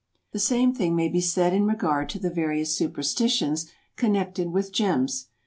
The same thing may be said in regard to the various superstitions connected with gems.